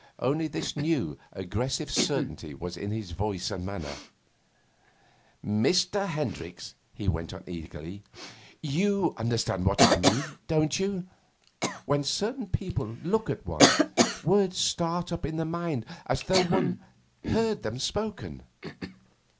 Only this new aggressive certainty was in his voice and manner. 'Mr. Hendricks,' he went on eagerly, 'you understand what I mean, don't you? When certain people look at one, words start up in the mind as though one heard them spoken.